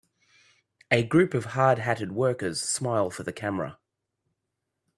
A group of hard hatted workers smile for the camera.